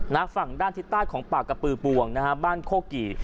ในฝั่งด้านพิตรดของปากกะปือปวงนะคะบ้านโคกกี่